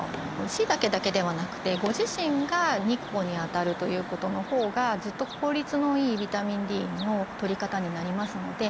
しいたけだけではなくてご自身が日光に当たるということのほうがずっと効率のいいビタミンＤのとり方になりますので。